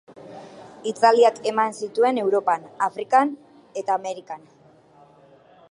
Hitzaldiak eman zituen Europan, Amerikan eta Afrikan.